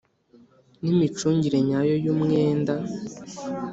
N imicungire nyayo y umwenda